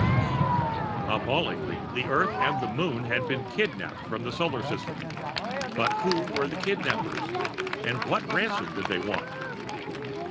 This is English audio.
] Appallingly, the Earth and the Moon had been kidnapped from the Solar System but who were the kidnappers and what ransom did they want?